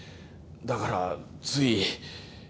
だからつい。